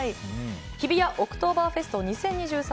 日比谷オクトーバーフェスト２０２３